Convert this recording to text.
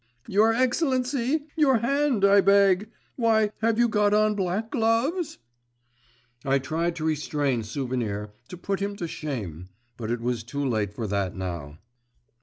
Your excellency, your hand, I beg; why, have you got on black gloves?' I tried to restrain Souvenir, to put him to shame … but it was too late for that now.